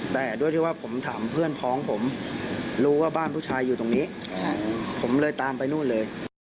แต่ด้วยที่ว่าผมถามเพื่อนพ้องผมรู้ว่าบ้านผู้ชายอยู่ตรงนี้ผมเลยตามไปนู่นเลย